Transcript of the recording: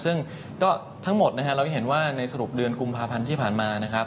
ซึ่งก็ทั้งหมดนะครับเราจะเห็นว่าในสรุปเดือนกุมภาพันธ์ที่ผ่านมานะครับ